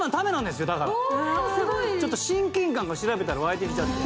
ちょっと親近感が調べたら湧いて来ちゃって。